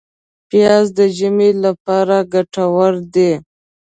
پیاز د ژمي لپاره ګټور دی